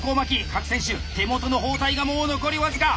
各選手手元の包帯がもう残り僅か。